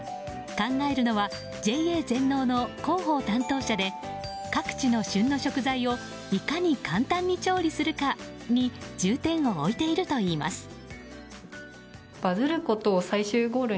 考えるのはＪＡ全農の広報担当者で各地の旬の食材をいかに簡単に調理するかに重点を置いているといいます。